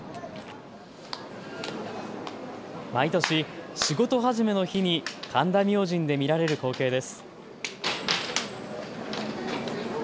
毎年、仕事始めの日に神田明神で見られる光景です。